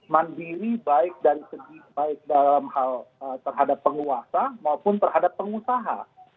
mandiri baik dalam hal terhadap penguasa maupun terhadap pengusaha